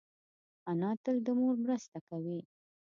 انا تل د مور مرسته کوي